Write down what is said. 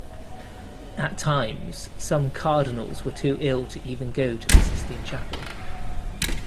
At times, some cardinals were too ill to even go to the Sistine Chapel.